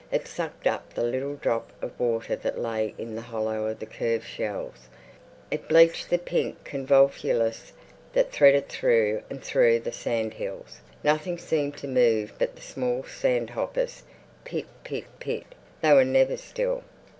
It sucked up the little drop of water that lay in the hollow of the curved shells; it bleached the pink convolvulus that threaded through and through the sand hills. Nothing seemed to move but the small sand hoppers. Pit pit pit! They were never still.